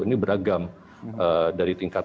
ini beragam dari tingkat